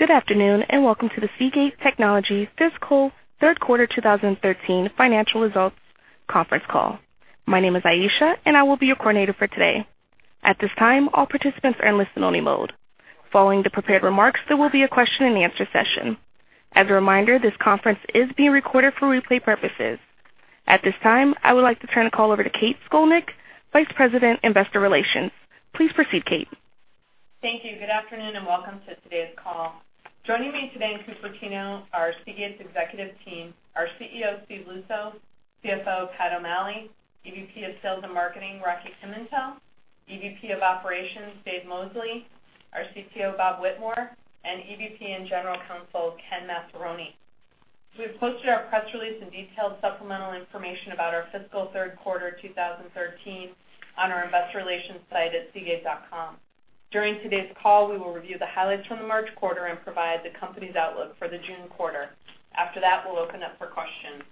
Good afternoon, and welcome to the Seagate Technology fiscal third quarter 2013 financial results conference call. My name is Aisha, and I will be your coordinator for today. At this time, all participants are in listen only mode. Following the prepared remarks, there will be a question and answer session. As a reminder, this conference is being recorded for replay purposes. At this time, I would like to turn the call over to Kate Scolnick, Vice President, Investor Relations. Please proceed, Kate. Thank you. Good afternoon, and welcome to today's call. Joining me today in Cupertino are Seagate's executive team, our CEO, Steve Luczo, CFO, Pat O'Malley, EVP of Sales and Marketing, Albert Pimentel, EVP of Operations, Dave Mosley, our CTO, Bob Whitmore, and EVP and General Counsel, Ken Massaroni. We've posted our press release and detailed supplemental information about our fiscal third quarter 2013 on our investor relations site at seagate.com. During today's call, we will review the highlights from the March quarter and provide the company's outlook for the June quarter. After that, we'll open up for questions.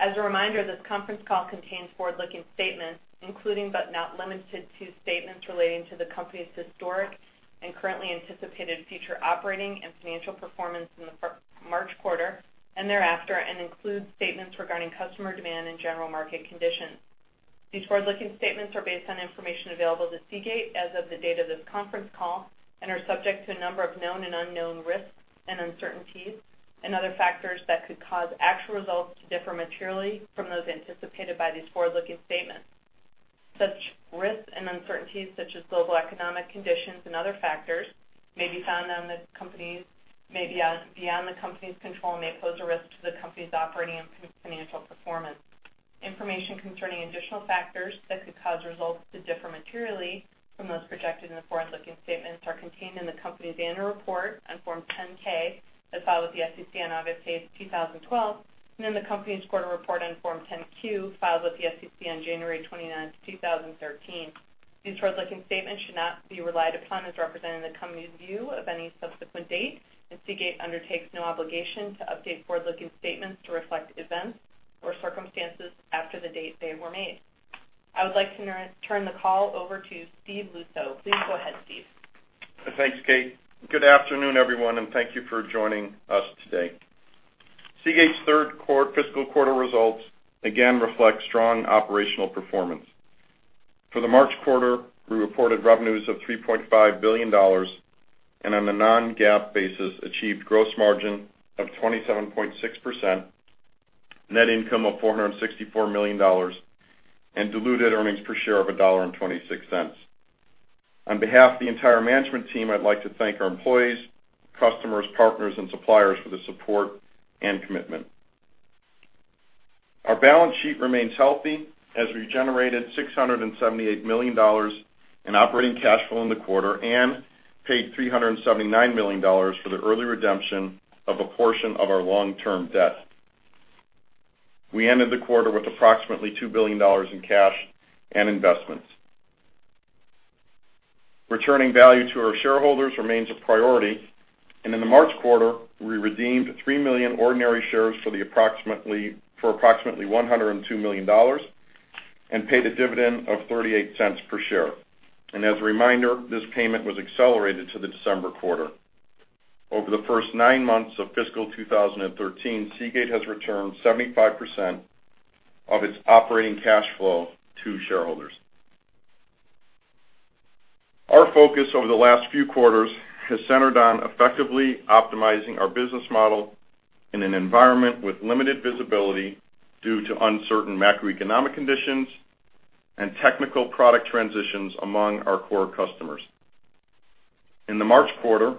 As a reminder, this conference call contains forward-looking statements including, but not limited to, statements relating to the company's historic and currently anticipated future operating and financial performance in the March quarter and thereafter, and includes statements regarding customer demand and general market conditions. These forward-looking statements are based on information available to Seagate as of the date of this conference call and are subject to a number of known and unknown risks and uncertainties and other factors that could cause actual results to differ materially from those anticipated by these forward-looking statements. Such risks and uncertainties, such as global economic conditions and other factors, may be beyond the company's control and may pose a risk to the company's operating and financial performance. Information concerning additional factors that could cause results to differ materially from those projected in the forward-looking statements are contained in the company's annual report on Form 10-K that filed with the SEC on August 8th, 2012, and in the company's quarter report on Form 10-Q, filed with the SEC on January 29th, 2013. These forward-looking statements should not be relied upon as representing the company's view of any subsequent date. Seagate undertakes no obligation to update forward-looking statements to reflect events or circumstances after the date they were made. I would like to turn the call over to Steve Luczo. Please go ahead, Steve. Thanks, Kate. Good afternoon, everyone. Thank you for joining us today. Seagate's third fiscal quarter results again reflect strong operational performance. For the March quarter, we reported revenues of $3.5 billion on a non-GAAP basis, achieved gross margin of 27.6%, net income of $464 million, and diluted earnings per share of $1.26. On behalf of the entire management team, I'd like to thank our employees, customers, partners, and suppliers for their support and commitment. Our balance sheet remains healthy as we generated $678 million in operating cash flow in the quarter and paid $379 million for the early redemption of a portion of our long-term debt. We ended the quarter with approximately $2 billion in cash and investments. Returning value to our shareholders remains a priority. In the March quarter, we redeemed 3 million ordinary shares for approximately $102 million and paid a dividend of $0.38 per share. As a reminder, this payment was accelerated to the December quarter. Over the first nine months of fiscal 2013, Seagate has returned 75% of its operating cash flow to shareholders. Our focus over the last few quarters has centered on effectively optimizing our business model in an environment with limited visibility due to uncertain macroeconomic conditions and technical product transitions among our core customers. In the March quarter,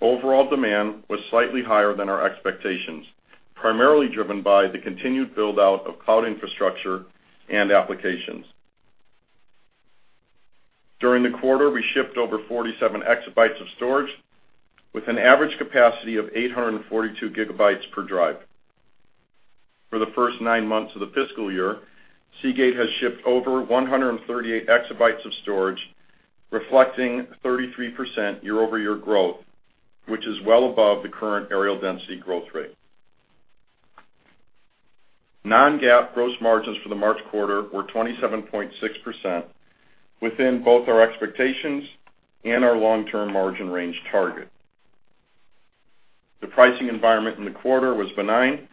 overall demand was slightly higher than our expectations, primarily driven by the continued build-out of cloud infrastructure and applications. During the quarter, we shipped over 47 exabytes of storage with an average capacity of 842 gigabytes per drive. For the first nine months of the fiscal year, Seagate has shipped over 138 exabytes of storage, reflecting 33% year-over-year growth, which is well above the current areal density growth rate. Non-GAAP gross margins for the March quarter were 27.6%, within both our expectations and our long-term margin range target. The pricing environment in the quarter was benign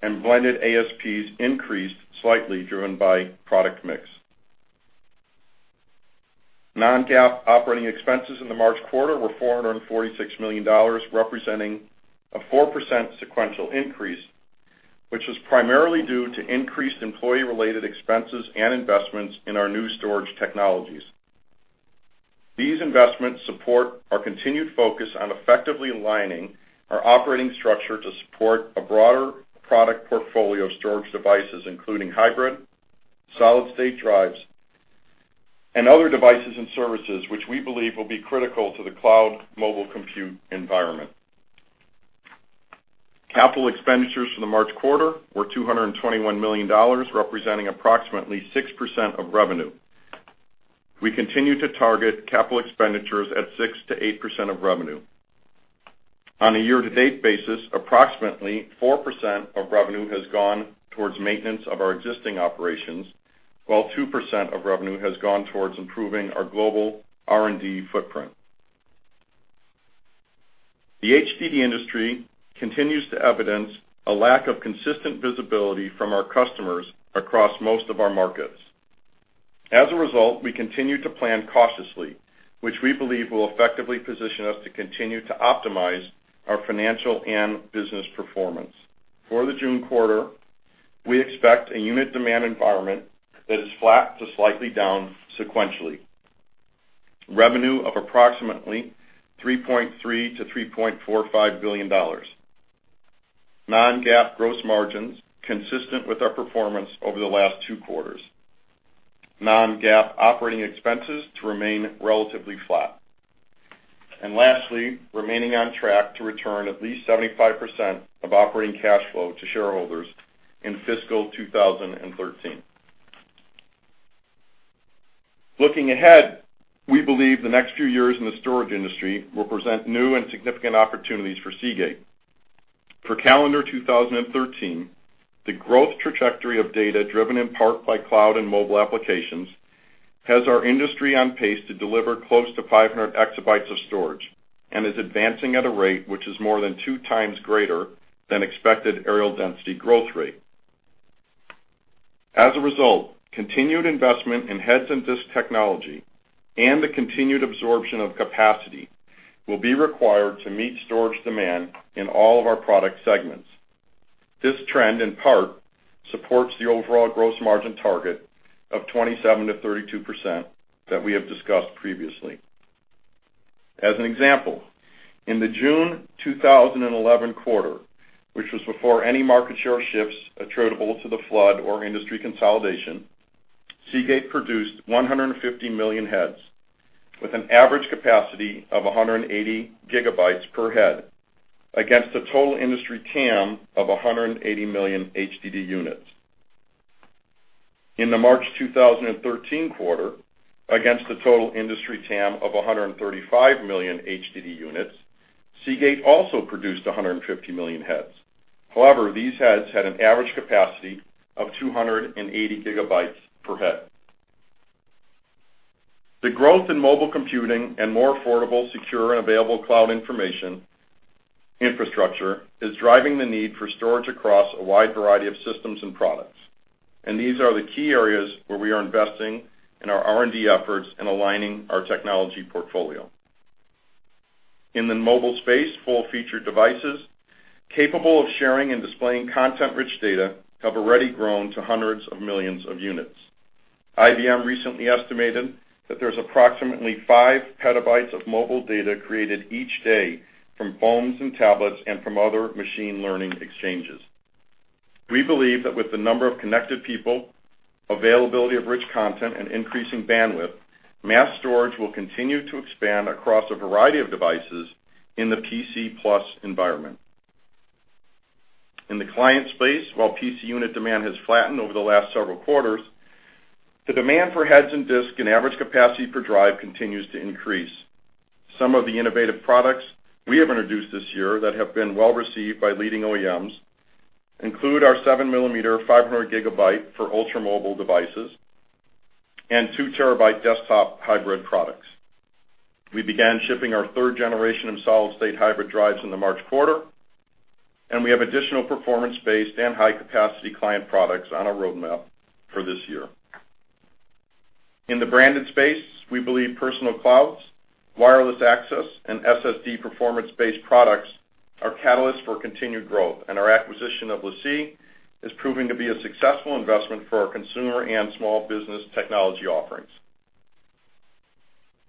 and blended ASPs increased slightly, driven by product mix. Non-GAAP operating expenses in the March quarter were $446 million, representing a 4% sequential increase, which is primarily due to increased employee-related expenses and investments in our new storage technologies. These investments support our continued focus on effectively aligning our operating structure to support a broader product portfolio of storage devices, including hybrid, solid-state drives, and other devices and services, which we believe will be critical to the cloud mobile compute environment. Capital expenditures for the March quarter were $221 million, representing approximately 6% of revenue. We continue to target capital expenditures at 6%-8% of revenue. On a year-to-date basis, approximately 4% of revenue has gone towards maintenance of our existing operations, while 2% of revenue has gone towards improving our global R&D footprint. The HDD industry continues to evidence a lack of consistent visibility from our customers across most of our markets. We continue to plan cautiously, which we believe will effectively position us to continue to optimize our financial and business performance. For the June quarter, we expect a unit demand environment that is flat to slightly down sequentially. Revenue of approximately $3.3 billion-$3.45 billion. Non-GAAP gross margins consistent with our performance over the last two quarters. Non-GAAP operating expenses to remain relatively flat. Lastly, remaining on track to return at least 75% of operating cash flow to shareholders in fiscal 2013. Looking ahead, we believe the next few years in the storage industry will present new and significant opportunities for Seagate. For calendar 2013, the growth trajectory of data driven in part by cloud and mobile applications, has our industry on pace to deliver close to 500 exabytes of storage and is advancing at a rate which is more than two times greater than expected areal density growth rate. As a result, continued investment in heads and disk technology and the continued absorption of capacity will be required to meet storage demand in all of our product segments. This trend, in part, supports the overall gross margin target of 27%-32% that we have discussed previously. As an example, in the June 2011 quarter, which was before any market share shifts attributable to the flood or industry consolidation, Seagate produced 150 million heads with an average capacity of 180 gigabytes per head against a total industry TAM of 180 million HDD units. In the March 2013 quarter, against the total industry TAM of 135 million HDD units, Seagate also produced 150 million heads. However, these heads had an average capacity of 280 gigabytes per head. The growth in mobile computing and more affordable, secure, and available cloud information infrastructure is driving the need for storage across a wide variety of systems and products. These are the key areas where we are investing in our R&D efforts and aligning our technology portfolio. In the mobile space, full-featured devices capable of sharing and displaying content-rich data have already grown to hundreds of millions of units. IBM recently estimated that there's approximately 5 petabytes of mobile data created each day from phones and tablets and from other machine learning exchanges. We believe that with the number of connected people, availability of rich content, and increasing bandwidth, mass storage will continue to expand across a variety of devices in the PC plus environment. In the client space, while PC unit demand has flattened over the last several quarters, the demand for heads and disk and average capacity per drive continues to increase. Some of the innovative products we have introduced this year that have been well-received by leading OEMs include our 7 millimeter 500 gigabyte for ultra-mobile devices and 2 terabyte desktop hybrid products. We began shipping our third generation of solid-state hybrid drives in the March quarter. We have additional performance-based and high-capacity client products on our roadmap for this year. In the branded space, we believe personal clouds, wireless access, and SSD performance-based products are catalysts for continued growth. Our acquisition of LaCie is proving to be a successful investment for our consumer and small business technology offerings.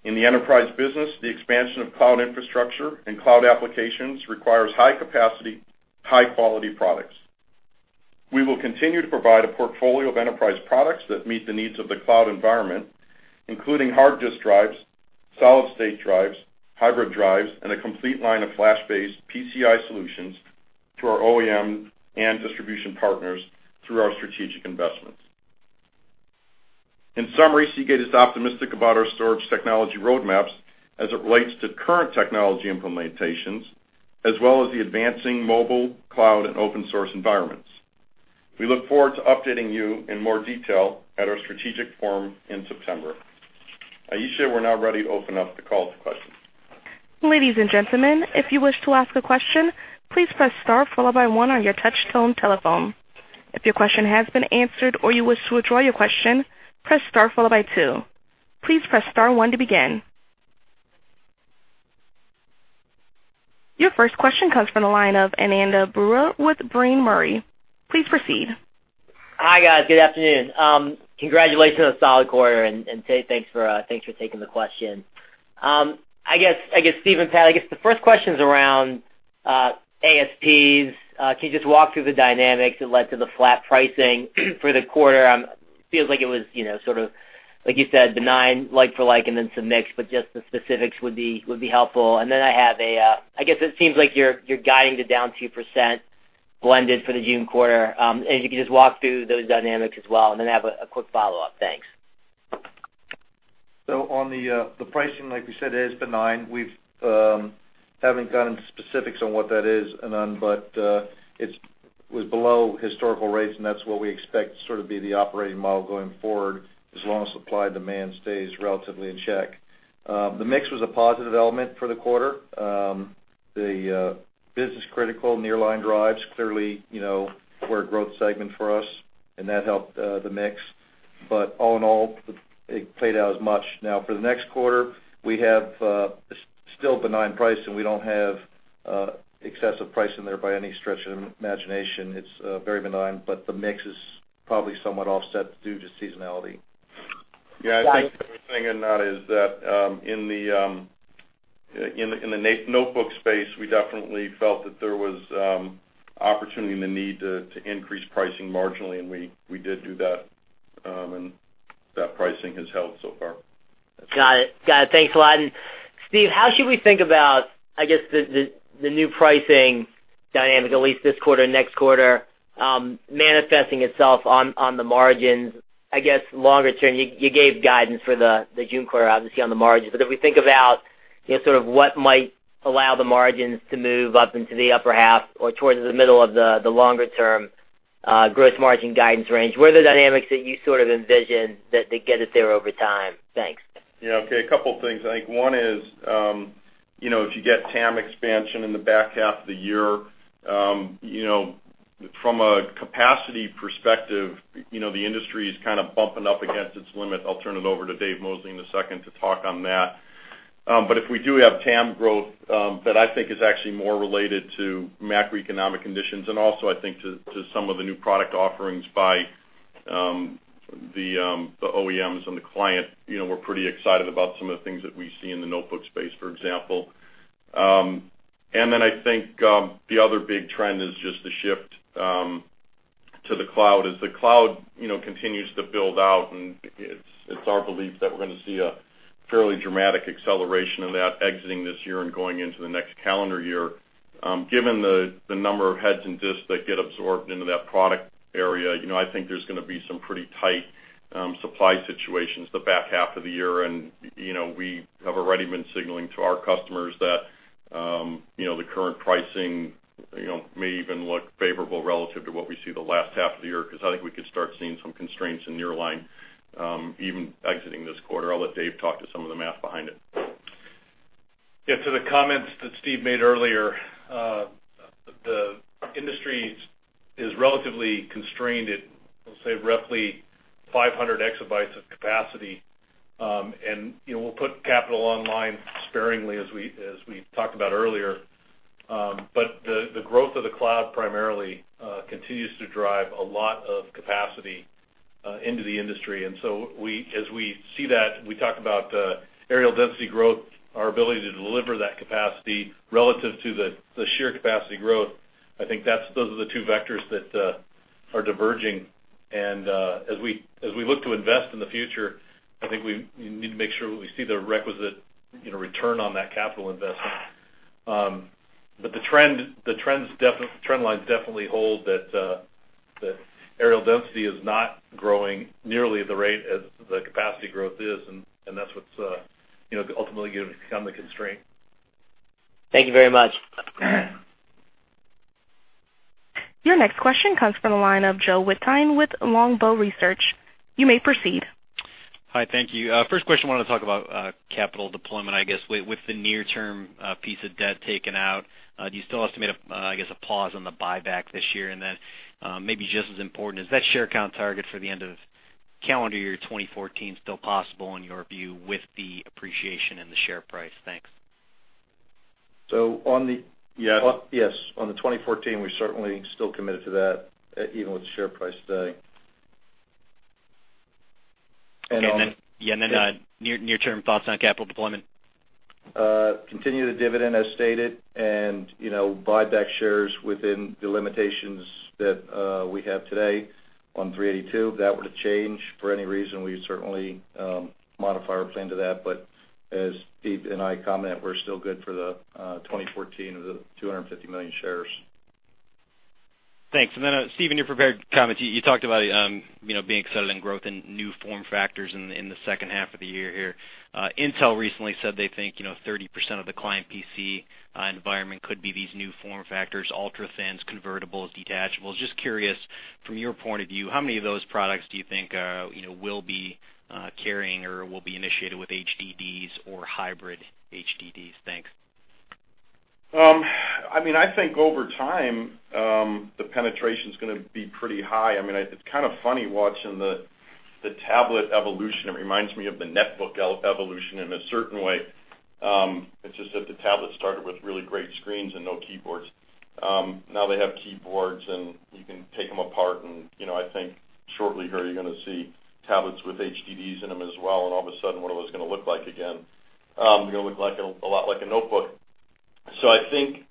In the enterprise business, the expansion of cloud infrastructure and cloud applications requires high capacity, high-quality products. We will continue to provide a portfolio of enterprise products that meet the needs of the cloud environment, including hard disk drives, solid-state drives, hybrid drives, and a complete line of flash-based PCIe solutions to our OEM and distribution partners through our strategic investments. In summary, Seagate is optimistic about our storage technology roadmaps as it relates to current technology implementations, as well as the advancing mobile, cloud, and open-source environments. We look forward to updating you in more detail at our strategic forum in September. Aisha, we're now ready to open up the call to questions. Ladies and gentlemen, if you wish to ask a question, please press star followed by one on your touch tone telephone. If your question has been answered or you wish to withdraw your question, press star followed by two. Please press star one to begin. Your first question comes from the line of Ananda Baruah with Brean Murray. Please proceed. Hi, guys. Good afternoon. Congratulations on a solid quarter and Kate, thanks for taking the question. Steve and Pat, I guess the first question's around ASPs. Can you just walk through the dynamics that led to the flat pricing for the quarter? It feels like it was, like you said, benign, like for like, and then some mix, but just the specifics would be helpful. Then I have, I guess it seems like you're guiding to down 2% blended for the June quarter. If you could just walk through those dynamics as well, and then I have a quick follow-up. Thanks. On the pricing, like we said, it is benign. We haven't gone into specifics on what that is, Anand, but it was below historical rates, and that's what we expect to sort of be the operating model going forward, as long as supply and demand stays relatively in check. The mix was a positive element for the quarter. The business-critical nearline drives clearly were a growth segment for us, and that helped the mix. All in all, it played out as much. For the next quarter, we have a still benign price, and we don't have excessive price in there by any stretch of the imagination. It's very benign, but the mix is probably somewhat offset due to seasonality. Yeah, I think the other thing in that is that in the notebook space, we definitely felt that there was opportunity and the need to increase pricing marginally, and we did do that, and that pricing has held so far. Got it. Thanks a lot. Steve, how should we think about, I guess, the new pricing dynamic, at least this quarter, next quarter, manifesting itself on the margins? I guess, longer term, you gave guidance for the June quarter, obviously, on the margins. If we think about sort of what might allow the margins to move up into the upper half or towards the middle of the longer-term gross margin guidance range, what are the dynamics that you sort of envision that they get it there over time? Thanks. Yeah. Okay. A couple things. I think one is, if you get TAM expansion in the back half of the year, from a capacity perspective, the industry is kind of bumping up against its limit. I'll turn it over to Dave Mosley in a second to talk on that. If we do have TAM growth, that I think is actually more related to macroeconomic conditions and also I think to some of the new product offerings by the OEMs on the client. We're pretty excited about some of the things that we see in the notebook space, for example. Then I think the other big trend is just the shift to the cloud. As the cloud continues to build out, and it's our belief that we're going to see a fairly dramatic acceleration of that exiting this year and going into the next calendar year. Given the number of heads and disks that get absorbed into that product area, I think there's going to be some pretty tight supply situations the back half of the year, we have already been signaling to our customers that the current pricing may even look favorable relative to what we see the last half of the year, because I think we could start seeing some constraints in nearline even exiting this quarter. I'll let Dave talk to some of the math behind it. Yeah. To the comments that Steve made earlier, the industry is relatively constrained at, let's say, roughly 500 exabytes of capacity. We'll put capital online sparingly as we talked about earlier. The growth of the cloud primarily continues to drive a lot of capacity into the industry. As we see that, we talk about areal density growth, our ability to deliver that capacity relative to the sheer capacity growth, I think those are the two vectors that are diverging. As we look to invest in the future, I think we need to make sure we see the requisite return on that capital investment. The trend lines definitely hold that areal density is not growing nearly the rate as the capacity growth is, and that's what's ultimately going to become the constraint. Thank you very much. Your next question comes from the line of Joe Wittine with Longbow Research. You may proceed. Hi, thank you. First question, I want to talk about capital deployment, I guess, with the near-term piece of debt taken out. Do you still estimate, I guess, a pause on the buyback this year? Maybe just as important, is that share count target for the end of calendar year 2014 still possible in your view with the appreciation in the share price? Thanks. Yes. On the 2014, we're certainly still committed to that, even with the share price today. Yeah, near-term thoughts on capital deployment. Continue the dividend as stated, buy back shares within the limitations that we have today on 382. If that were to change for any reason, we'd certainly modify our plan to that. As Steve and I commented, we're still good for the 2014 of the 250 million shares. Thanks. Steve, in your prepared comments, you talked about being excited in growth in new form factors in the second half of the year here. Intel recently said they think 30% of the client PC environment could be these new form factors, ultra-thins, convertibles, detachables. Just curious, from your point of view, how many of those products do you think we'll be carrying or will be initiated with HDDs or hybrid HDDs? Thanks. I think over time, the penetration's going to be pretty high. It's kind of funny watching the tablet evolution. It reminds me of the netbook evolution in a certain way. It's just that the tablet started with really great screens and no keyboards. Now they have keyboards, and you can take them apart, and I think shortly here, you're going to see tablets with HDDs in them as well, and all of a sudden, what are those going to look like again? They're going to look a lot like a notebook. I think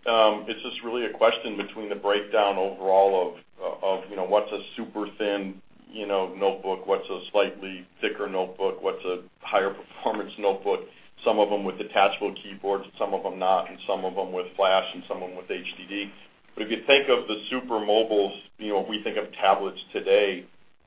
it's just really a question between the breakdown overall of what's a super thin notebook, what's a slightly thicker notebook, what's a higher performance notebook, some of them with detachable keyboards, some of them not, and some of them with Flash and some of them with HDD. If you think of the super mobiles, we think of tablets today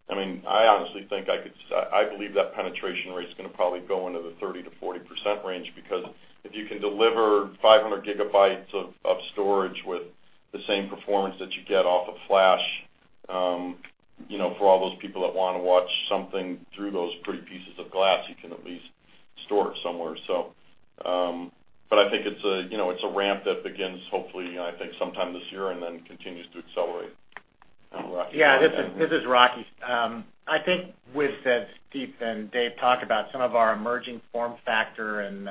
I honestly believe that penetration rate's going to probably go into the 30%-40% range because if you can deliver 500 GB of storage with the same performance that you get off of Flash, for all those people that want to watch something through those pretty pieces of glass, you can at least store it somewhere. I think it's a ramp that begins, hopefully, I think sometime this year then continues to accelerate. Yeah, this is Rocky. I think we've said, Steve and Dave talked about some of our emerging form factor and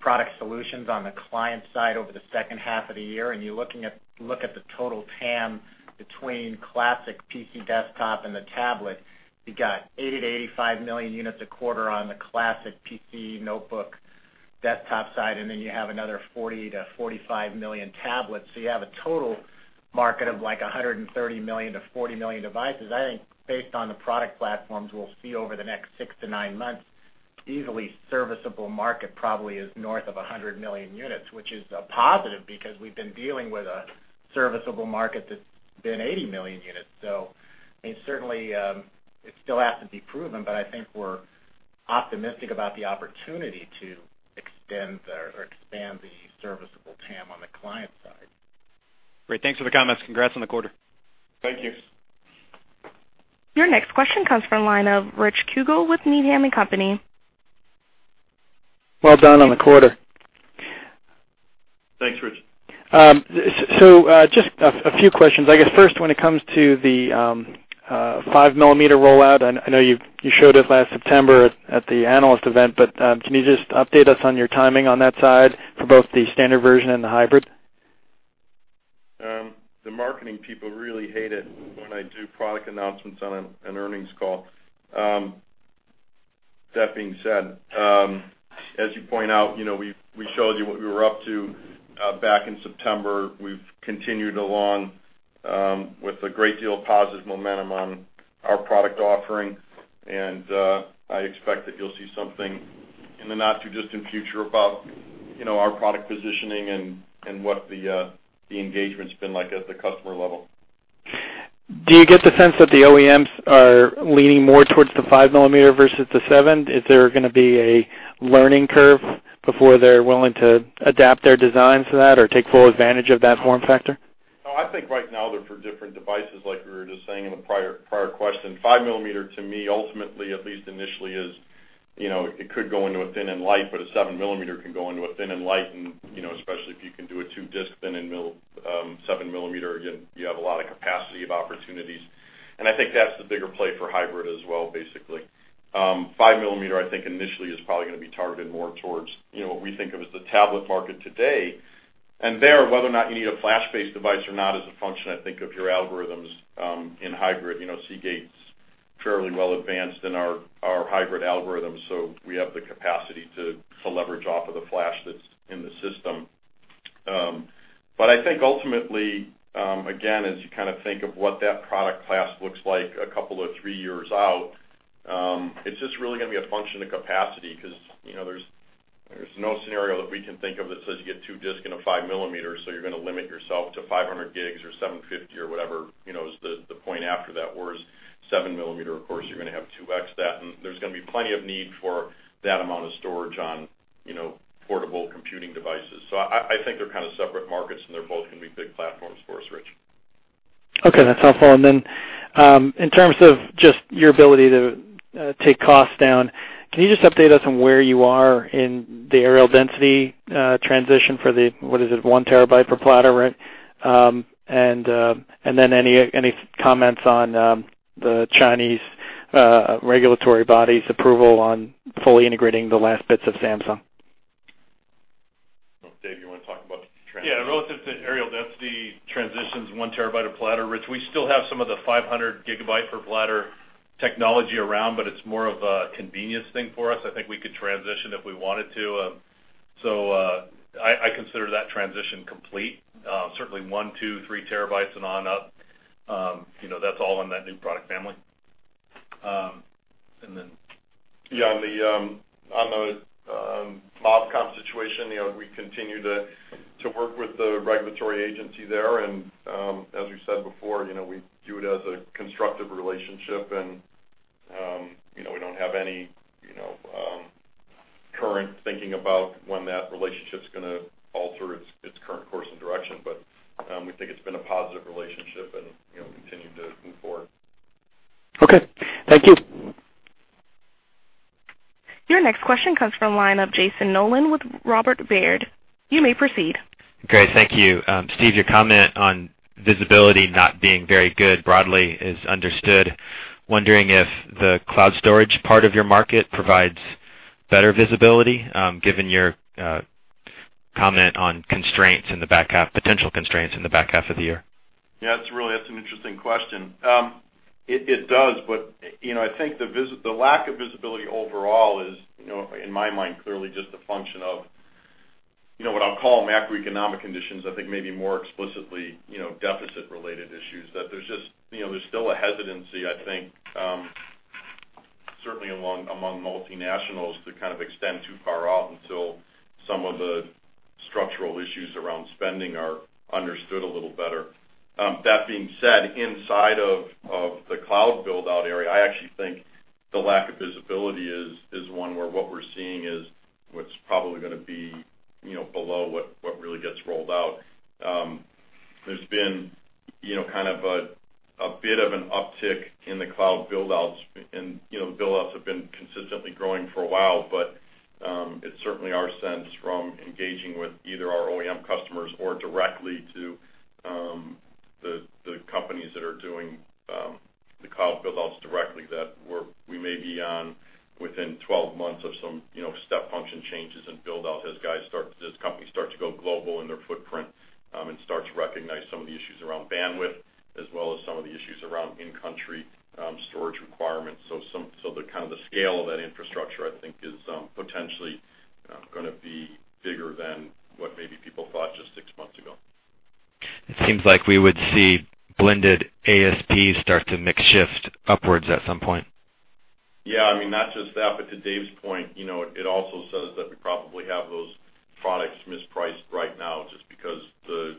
product solutions on the client side over the second half of the year. You look at the total TAM between classic PC desktop and the tablet, you've got 80 million-85 million units a quarter on the classic PC, notebook, desktop side, then you have another 40 million-45 million tablets. You have a total market of like 130 million-140 million devices. I think based on the product platforms we'll see over the next six to nine months, easily serviceable market probably is north of 100 million units, which is a positive because we've been dealing with a serviceable market that's been 80 million units. Certainly, it still has to be proven, I think we're optimistic about the opportunity to extend or expand the serviceable TAM on the client side. Great. Thanks for the comments. Congrats on the quarter. Thank you. Your next question comes from line of Rich Kugele with Needham & Company. Well done on the quarter. Thanks, Rich. Just a few questions. I guess first, when it comes to the five-millimeter rollout, I know you showed it last September at the analyst event, can you just update us on your timing on that side for both the standard version and the hybrid? The marketing people really hate it when I do product announcements on an earnings call. That being said, as you point out, we showed you what we were up to back in September. We've continued along with a great deal of positive momentum on our product offering, I expect that you'll see something in the not too distant future about our product positioning and what the engagement's been like at the customer level. Do you get the sense that the OEMs are leaning more towards the five-millimeter versus the seven? Is there going to be a learning curve before they're willing to adapt their designs to that or take full advantage of that form factor? I think right now they're for different devices like we were just saying in the prior question. Five millimeter to me ultimately, at least initially, it could go into a thin and light, a seven millimeter can go into a thin and light, especially if you can do a two-disc thin and seven millimeter, again, you have a lot of capacity of opportunities, and I think that's the bigger play for hybrid as well, basically. Five millimeter, I think initially is probably going to be targeted more towards what we think of as the tablet market today. There, whether or not you need a Flash-based device or not is a function, I think, of your algorithms, in hybrid. Seagate's fairly well advanced in our hybrid algorithm, we have the capacity to leverage off of the Flash that's in the system. I think ultimately, again, as you think of what that product class looks like a couple or three years out, it's just really going to be a function of capacity because there's no scenario that we can think of that says you get two disc in a five millimeter so you're going to limit yourself to 500 GB or 750 or whatever is the point after that. Whereas seven millimeter, of course, you're going to have 2x that, there's going to be plenty of need for that amount of storage on portable computing devices. I think they're separate markets, they're both going to be big platforms for us, Rich. Okay. That's helpful. In terms of just your ability to take costs down, can you just update us on where you are in the areal density transition for the, what is it, one TB per platter, right? Any comments on the Chinese regulatory body's approval on fully integrating the last bits of Samsung? Dave, you want to talk about the transition? Yeah. Relative to areal density transitions, one terabyte of platter, Rich, we still have some of the 500 gigabyte per platter technology around, but it's more of a convenience thing for us. I think we could transition if we wanted to. I consider that transition complete. Certainly one, two, three terabytes and on up, that's all in that new product family. On the MOFCOM situation, we continue to work with the regulatory agency there. As we said before, we view it as a constructive relationship and we don't have any current thinking about when that relationship's going to alter its current course and direction. We think it's been a positive relationship and we continue to move forward. Okay. Thank you. Your next question comes from line of Jayson Noland with Robert W. Baird. You may proceed. Great. Thank you. Steve, your comment on visibility not being very good broadly is understood. Wondering if the cloud storage part of your market provides better visibility, given your comment on potential constraints in the back half of the year. Yeah, that's an interesting question. It does, but I think the lack of visibility overall is, in my mind, clearly just a function of what I'll call macroeconomic conditions. I think maybe more explicitly deficit-related issues. That there's still a hesitancy, I think certainly among multinationals to extend too far out until some of the structural issues around spending are understood a little better. That being said, inside of the cloud build-out area, I actually think the lack of visibility is one where what we're seeing is what's probably going to be below what really gets rolled out. There's been a bit of an uptick in the cloud build-outs, build-outs have been consistently growing for a while, but it's certainly our sense from engaging with either our OEM customers or directly to the companies that are doing the cloud build-outs directly, that we may be on within 12 months of some step function changes in build-out as companies start to go global in their footprint and start to recognize some of the issues around bandwidth, as well as some of the issues around in-country storage requirements. The scale of that infrastructure, I think, is potentially going to be bigger than what maybe people thought just six months ago. It seems like we would see blended ASPs start to mix shift upwards at some point. Yeah. Not just that, but to Dave's point, it also says that we probably have those products mispriced right now just because the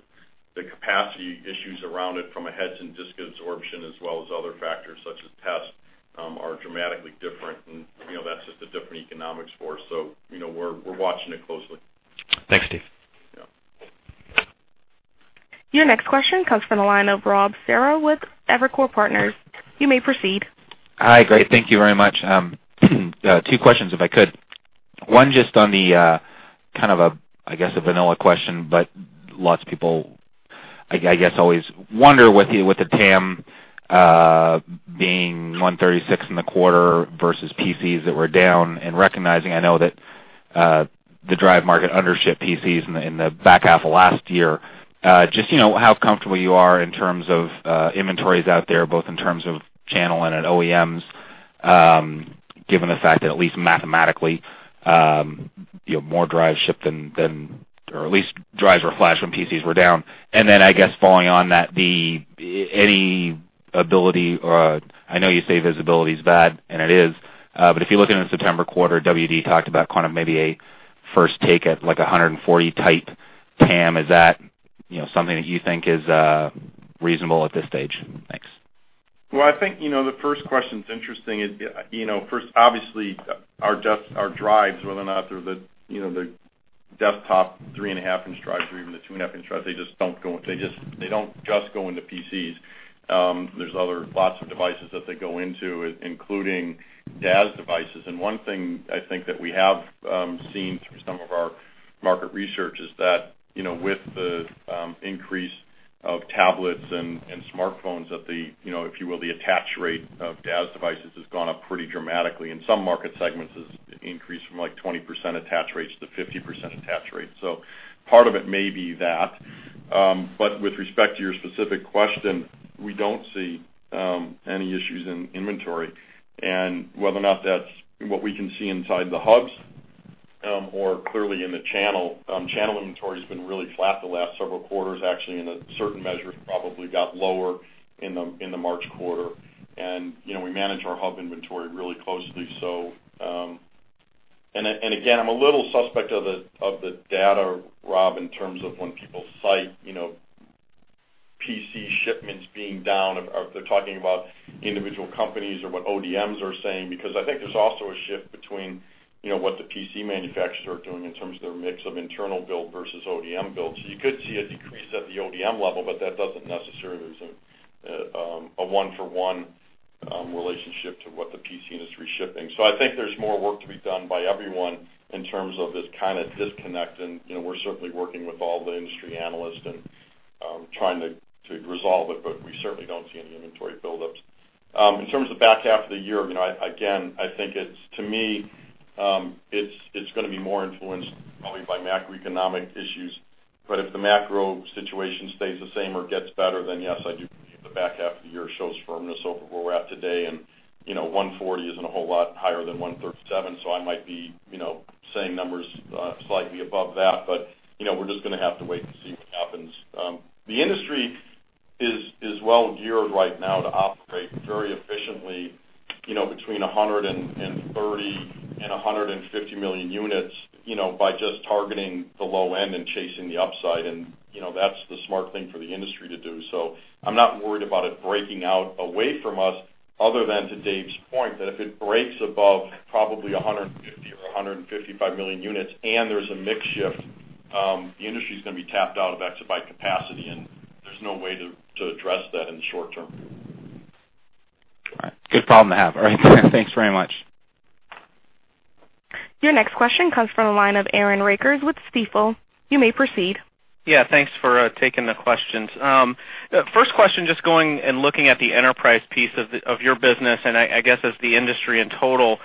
capacity issues around it from a heads and disk absorption, as well as other factors such as tests, are dramatically different, and that's just a different economics for us. We're watching it closely. Thanks, Steve. Yeah. Your next question comes from the line of Rob Cihra with Evercore Partners. You may proceed. Hi. Great. Thank you very much. Two questions if I could. One just on the, kind of, I guess, a vanilla question, lots of people, I guess, always wonder with the TAM being 136 in the quarter versus PCs that were down, and recognizing, I know that the drive market undershipped PCs in the back half of last year. Just how comfortable you are in terms of inventories out there, both in terms of channel and at OEMs, given the fact that at least mathematically, more drives shipped than, or at least drives or flash when PCs were down. Then, I guess, following on that, any ability or I know you say visibility is bad, and it is, but if you look in the September quarter, WD talked about kind of maybe a first take at like 140-type TAM. Is that something that you think is reasonable at this stage? Thanks. Well, I think, the first question is interesting. First, obviously, our drives, whether or not they're the desktop three-and-a-half inch drives or even the two-and-a-half inch drives, they don't just go into PCs. One thing I think that we have seen through some of our market research is that with the increase of tablets and smartphones, if you will, the attach rate of DAS devices has gone up pretty dramatically, and some market segments have increased from 20% attach rates to 50% attach rates. Part of it may be that, but with respect to your specific question, we don't see any issues in inventory and whether or not that's what we can see inside the hubs or clearly in the channel. Channel inventory's been really flat the last several quarters, actually, in a certain measure, probably got lower in the March quarter. We manage our hub inventory really closely. Again, I'm a little suspect of the data, Rob, in terms of when people cite PC shipments being down, if they're talking about individual companies or what ODMs are saying, because I think there's also a shift between what the PC manufacturers are doing in terms of their mix of internal build versus ODM build. You could see a decrease at the ODM level, but that doesn't necessarily represent a one-for-one relationship to what the PC industry is shipping. I think there's more work to be done by everyone in terms of this kind of disconnect, and we're certainly working with all the industry analysts and trying to resolve it, but we certainly don't see any inventory buildups. In terms of back half of the year, again, I think to me, it's going to be more influenced probably by macroeconomic issues. If the macro situation stays the same or gets better, yes, I do believe the back half of the year shows firmness over where we're at today, and 140 isn't a whole lot higher than 137, so I might be saying numbers slightly above that, but we're just going to have to wait and see what happens. The industry is well geared right now to operate very efficiently between 130 and 150 million units, by just targeting the low end and chasing the upside, and that's the smart thing for the industry to do. I'm not worried about it breaking out away from us other than to Dave's point, that if it breaks above probably 150 or 155 million units and there's a mix shift, the industry's going to be tapped out of exabyte capacity, and there's no way to address that in the short term. All right. Good problem to have. All right. Thanks very much. Your next question comes from the line of Aaron Rakers with Stifel. You may proceed. Thanks for taking the questions. First question, just going and looking at the enterprise piece of your business, I guess as the industry in total.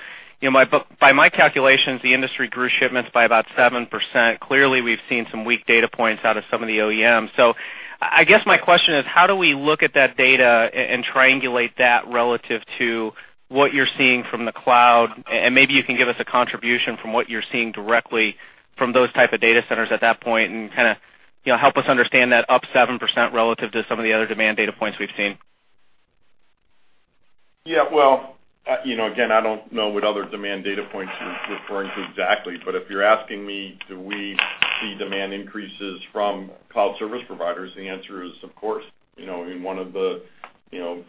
By my calculations, the industry grew shipments by about 7%. Clearly, we've seen some weak data points out of some of the OEMs. I guess my question is, how do we look at that data and triangulate that relative to what you're seeing from the cloud? Maybe you can give us a contribution from what you're seeing directly from those type of data centers at that point. Help us understand that up 7% relative to some of the other demand data points we've seen. Again, I don't know what other demand data points you're referring to exactly, but if you're asking me, do we see demand increases from cloud service providers? The answer is, of course. In one of the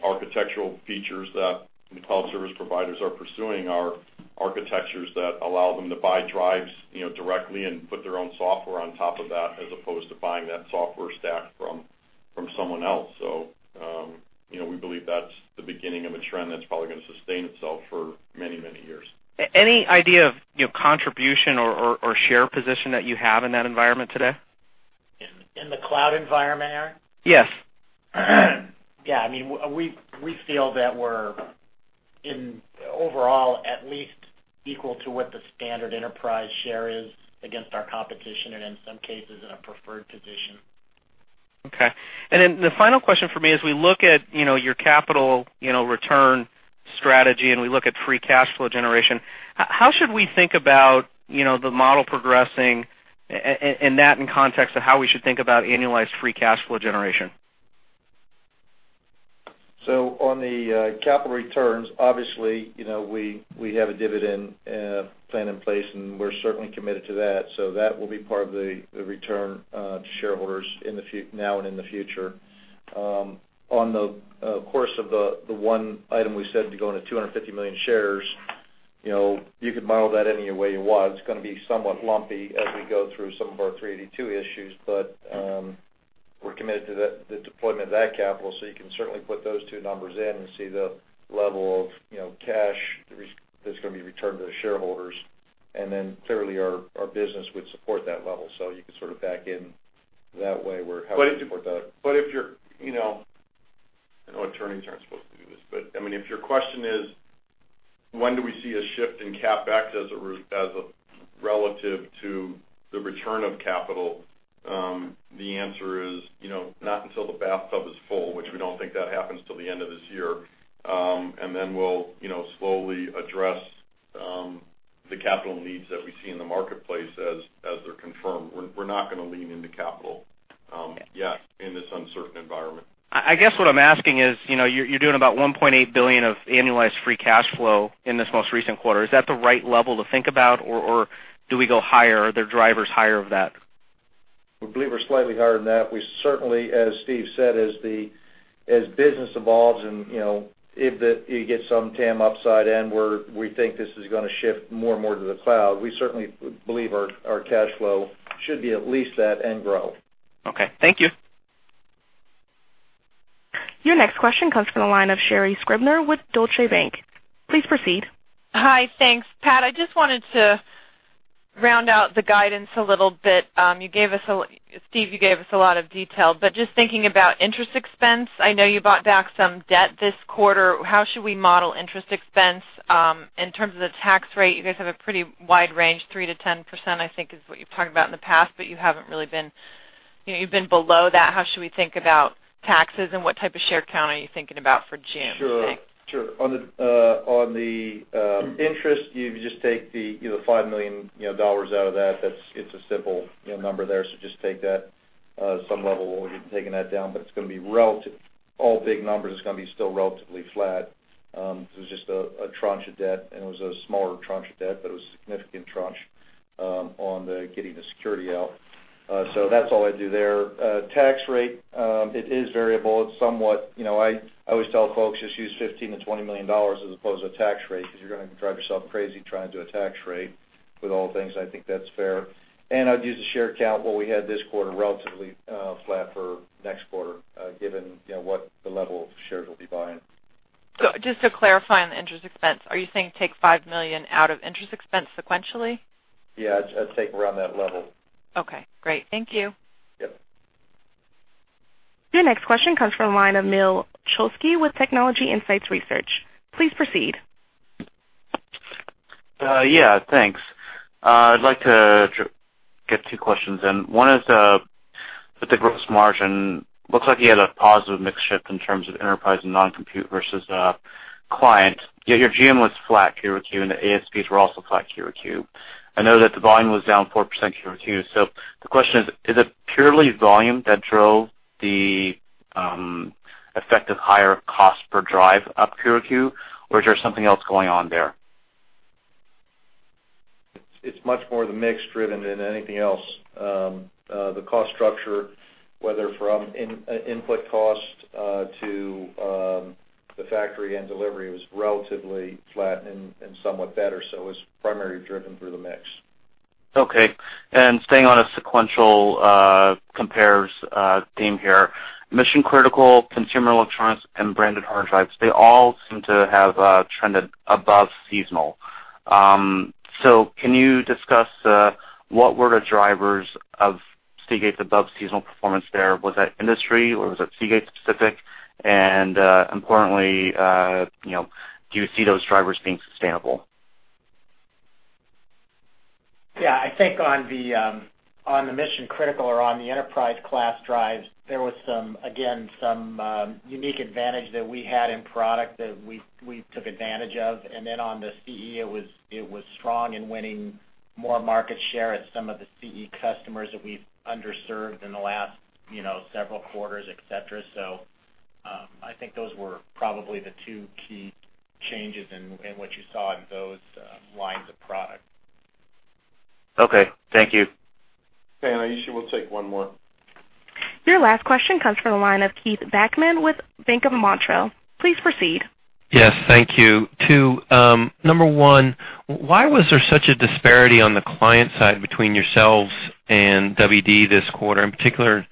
architectural features that cloud service providers are pursuing are architectures that allow them to buy drives directly and put their own software on top of that, as opposed to buying that software stack from someone else. We believe that's the beginning of a trend that's probably going to sustain itself for many, many years. Any idea of contribution or share position that you have in that environment today? In the cloud environment, Aaron? Yes. We feel that we're, overall, at least equal to what the standard enterprise share is against our competition, and in some cases, in a preferred position. The final question for me is we look at your capital return strategy, and we look at free cash flow generation. How should we think about the model progressing and that in context of how we should think about annualized free cash flow generation? On the capital returns, obviously, we have a dividend plan in place, and we're certainly committed to that. That will be part of the return to shareholders now and in the future. On the course of the one item we said to go into 250 million shares, you could model that any way you want. It's going to be somewhat lumpy as we go through some of our 382 issues. We're committed to the deployment of that capital, so you can certainly put those two numbers in and see the level of cash that's going to be returned to the shareholders. Clearly our business would support that level. You can sort of back in that way where, how we support that. I know attorneys aren't supposed to do this, but if your question is, when do we see a shift in CapEx as a relative to the return of capital, the answer is, not until the bathtub is full, which we don't think that happens till the end of this year. We'll slowly address the capital needs that we see in the marketplace as they're confirmed. We're not going to lean into capital yet in this uncertain environment. I guess what I'm asking is, you're doing about $1.8 billion of annualized free cash flow in this most recent quarter. Is that the right level to think about, or do we go higher? Are there drivers higher of that? We believe we're slightly higher than that. We certainly, as Steve said, as business evolves and if you get some TAM upside and we think this is going to shift more and more to the cloud, we certainly believe our cash flow should be at least that and grow. Okay. Thank you. Your next question comes from the line of Sherri Scribner with Deutsche Bank. Please proceed. Hi. Thanks. Pat, I just wanted to round out the guidance a little bit. Steve, you gave us a lot of detail, but just thinking about interest expense, I know you bought back some debt this quarter. How should we model interest expense? In terms of the tax rate, you guys have a pretty wide range, 3%-10%, I think, is what you've talked about in the past, but you've been below that. How should we think about taxes, and what type of share count are you thinking about for June? Sure. On the interest, you just take the $5 million out of that. It's a simple number there. Just take that. At some level, we'll be taking that down, but all big numbers, it's going to be still relatively flat. It was just a tranche of debt, and it was a smaller tranche of debt, but it was a significant tranche on the getting the security out. That's all I'd do there. Tax rate, it is variable. I always tell folks, just use $15 million-$20 million as opposed to a tax rate because you're going to drive yourself crazy trying to do a tax rate with all things. I think that's fair. I'd use the share count what we had this quarter, relatively flat for next quarter, given what the level of shares we'll be buying. Just to clarify on the interest expense, are you saying take $5 million out of interest expense sequentially? Yeah, I'd say around that level. Okay, great. Thank you. Yep. Your next question comes from the line of Neil Chulski with Technology Insights Research. Please proceed. Yeah. Thanks. I'd like to get two questions in. One is with the gross margin. Looks like you had a positive mix shift in terms of enterprise and non-compute versus client. Yet your GM was flat QOQ, and the ASPs were also flat QOQ. I know that the volume was down 4% QOQ. The question is it purely volume that drove the effective higher cost per drive up QOQ, or is there something else going on there? It's much more the mix driven than anything else. The cost structure, whether from input cost to the factory and delivery, was relatively flat and somewhat better. It was primarily driven through the mix. Okay. Staying on a sequential compares theme here. Mission-critical, consumer electronics, and branded hard drives, they all seem to have trended above seasonal. Can you discuss what were the drivers of Seagate's above-seasonal performance there? Was that industry or was it Seagate specific? Importantly, do you see those drivers being sustainable? Yeah. I think on the mission-critical or on the enterprise class drives, there was, again, some unique advantage that we had in product that we took advantage of. On the CE, it was strong in winning more market share at some of the CE customers that we've underserved in the last several quarters, et cetera. I think those were probably the two key changes in what you saw in those lines of product. Okay. Thank you. Okay. Aisha, we'll take one more. Your last question comes from the line of Keith Bachman with Bank of Montreal. Please proceed. Yes. Thank you. Two, number one, why was there such a disparity on the client side between yourselves and WD this quarter? In particular,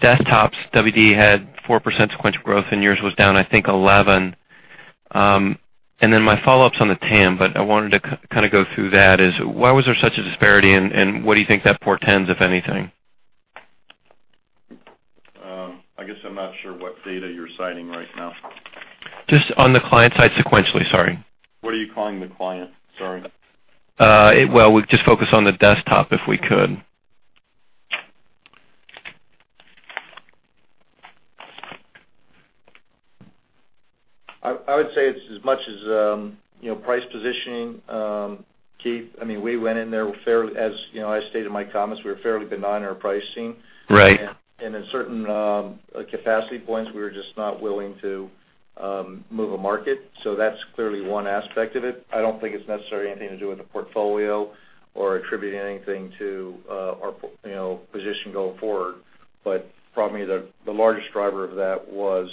desktops, WD had 4% sequential growth and yours was down, I think 11. My follow-up's on the TAM, but I wanted to go through that is, why was there such a disparity and what do you think that portends, if anything? I guess I'm not sure what data you're citing right now. Just on the client side sequentially, sorry. What are you calling the client? Sorry. Well, we just focus on the desktop, if we could. I would say it's as much as price positioning, Keith. We went in there fairly, as I stated in my comments, we were fairly benign on our pricing. Right. In certain capacity points, we were just not willing to move a market. That's clearly one aspect of it. I don't think it's necessarily anything to do with the portfolio or attributing anything to our position going forward. Probably the largest driver of that was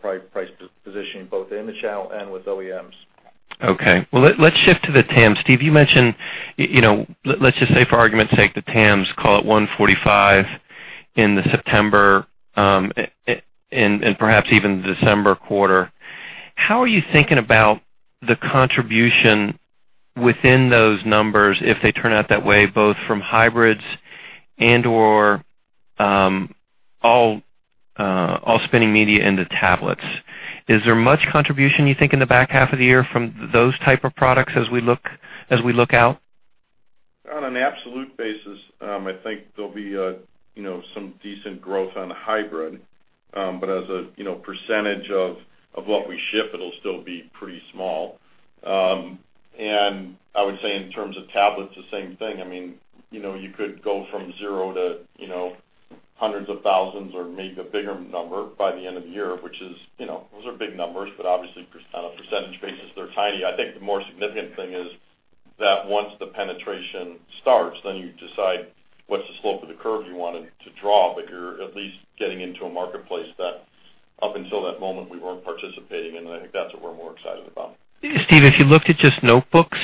probably price positioning, both in the channel and with OEMs. Well, let's shift to the TAMs. Steve, you mentioned, let's just say for argument's sake, the TAMs, call it 145 in the September, and perhaps even the December quarter. How are you thinking about the contribution within those numbers, if they turn out that way, both from hybrids and/or all spinning media into tablets? Is there much contribution, you think, in the back half of the year from those type of products as we look out? On an absolute basis, I think there'll be some decent growth on the hybrid. As a percentage of what we ship, it'll still be pretty small. I would say in terms of tablets, the same thing. You could go from zero to hundreds of thousands or maybe a bigger number by the end of the year, which those are big numbers, but obviously on a percentage basis, they're tiny. I think the more significant thing is that once the penetration starts, then you decide what's the slope of the curve you want to draw, but you're at least getting into a marketplace that up until that moment, we weren't participating in, and I think that's what we're more excited about. Steve, if you looked at just notebooks,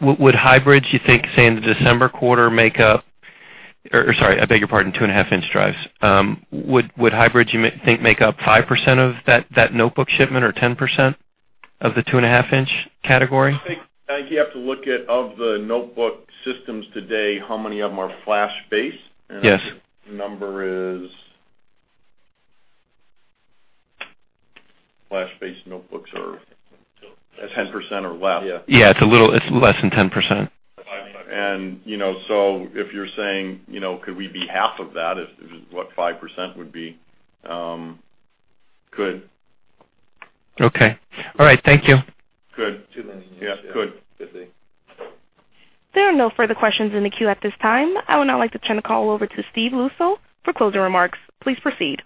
would hybrids, you think, say, in the December quarter, make up Sorry, I beg your pardon, 2.5-inch drives. Would hybrids, you think, make up 5% of that notebook shipment or 10% of the 2.5-inch category? I think you have to look at of the notebook systems today, how many of them are flash-based? Yes. I think the number is flash-based notebooks are 10% or less. Yeah. It's less than 10%. If you're saying, could we be half of that, is what 5% would be. Could. Okay. All right. Thank you. Could. Yeah, could. There are no further questions in the queue at this time. I would now like to turn the call over to Steve Luczo for closing remarks. Please proceed.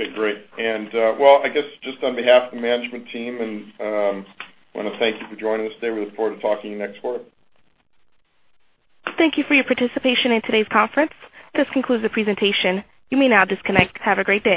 Okay, great. Well, I guess just on behalf of the management team, I want to thank you for joining us today. We look forward to talking to you next quarter. Thank you for your participation in today's conference. This concludes the presentation. You may now disconnect. Have a great day.